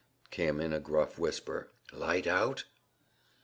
came in a gruff whisper. "Light out?"